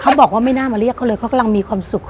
บอกว่าไม่น่ามาเรียกเขาเลยเขากำลังมีความสุข